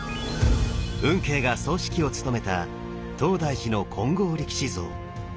運慶が総指揮を務めた東大寺の金剛力士像。